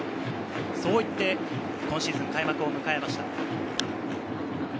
そう言って今シーズン開幕を迎えました。